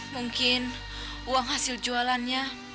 mungkin uang hasil jualannya